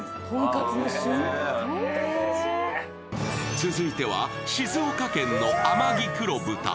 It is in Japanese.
続いては静岡県の天城黒豚。